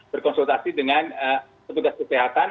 berkonsultasi dengan petugas kesehatan